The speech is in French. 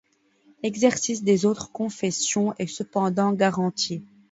L'exercice des autres confessions est cependant garanti.